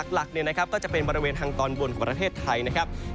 หลักก็จะเป็นบริเวณทางตอนบนของประเทศไทยนะครับ